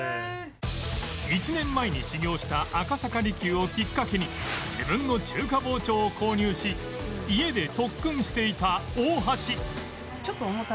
１年前に修業した赤坂璃宮をきっかけに自分の中華包丁を購入し家で特訓していた大橋